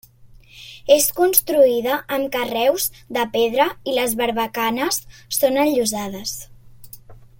És construïda amb carreus de pedra i les barbacanes són enllosades.